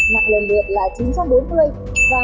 mạng lần lượt là chín trăm bốn mươi kg